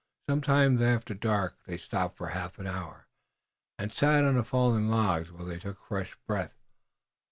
Some time after dark they stopped for a half hour and sat on fallen logs while they took fresh breath.